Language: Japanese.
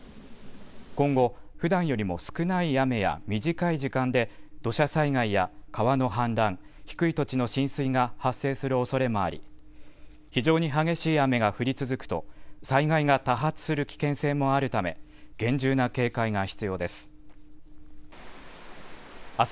今後、ふだんよりも少ない雨や短い時間で土砂災害や川の氾濫、低い土地の浸水が発生するおそれもあり非常に激しい雨が降り続くと災害が多発する危険性もあるため厳重な警戒が必要です。